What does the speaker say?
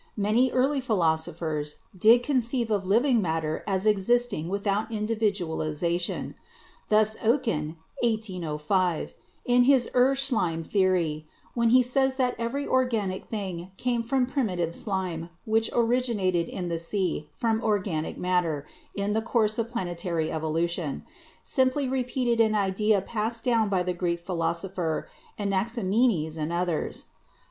Many early philosophers did conceive of living matter as exist ing without individualization. Thus Oken (1805), in his Ur Schleim theory, when he says that every organic thing came from primitive slime which originated in the sea from organic matter in the course of planetary evolution, simply repeated an idea passed down by the Greek philos opher Anaximenes and others.